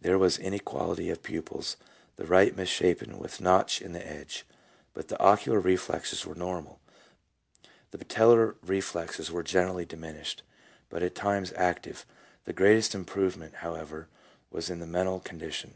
There was inequality of pupils, the right misshapen with notch in the edge, but the occular reflexes were normal. The patellar reflexes were generally diminished, but at times active. The greatest improvement, how ever, was in the mental condition.